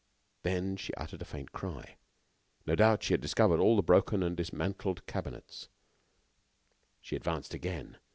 Then she uttered a faint cry. No doubt she had discovered the broken and dismantled cabinet. She advanced again.